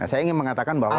saya ingin mengatakan bahwa